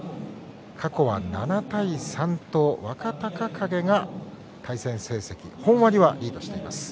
過去は７対３と若隆景が対戦成績、本割はリードしています。